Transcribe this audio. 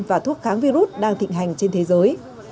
và thuốc kháng virus đang thịnh hành trên thế giới